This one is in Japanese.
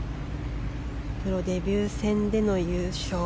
プロデビュー戦での優勝。